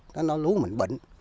đó là lúa mình bệnh